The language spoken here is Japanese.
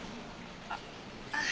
あっ。